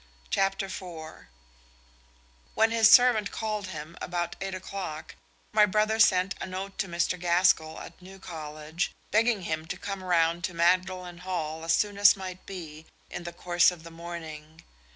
CHAPTER IV When his servant called him about eight o'clock my brother sent a note to Mr. Gaskell at New College, begging him to come round to Magdalen Hall as soon as might be in the course of the morning.